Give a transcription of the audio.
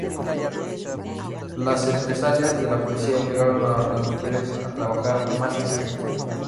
Las represalias de la policía obligaron a las mujeres a trabajar más en secreto.